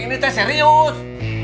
ini saya serius